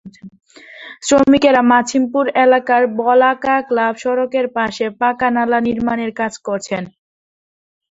শ্রমিকেরা মাছিমপুর এলাকার বলাকা ক্লাব সড়কের পাশে পাকা নালা নির্মাণের কাজ করছেন।